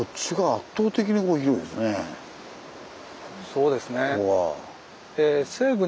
そうですね。